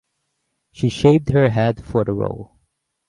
She shaved her head for the role.